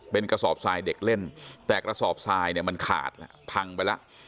เป็นกระสอบทรายเด็กเล่นแต่กระสอบทรายเนี่ยมันขาดแล้วพังไปแล้ว